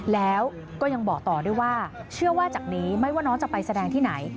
แล้วก็ยังบอกต่อด้วยว่าเชื่อว่าจากนี้ไม่ว่าน้องจะไปแสดงที่ไหน